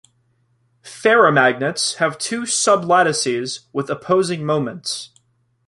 Ferrimagnets have two sublattices with opposing moments.